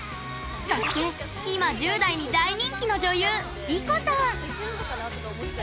そして今１０代に大人気の女優莉子さん。